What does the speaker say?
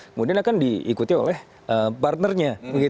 kemudian akan diikuti oleh partnernya